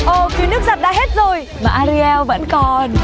ồ khi nước giặt đã hết rồi mà ariel vẫn còn